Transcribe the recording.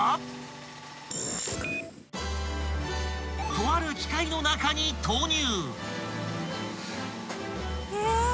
［とある機械の中に投入］